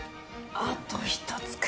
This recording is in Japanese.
あと１つか。